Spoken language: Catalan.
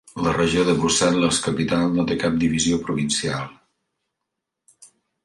La regió de Brussel·les-Capital no té cap divisió provincial.